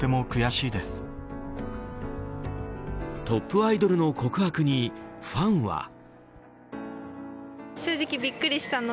トップアイドルの告白にファンは。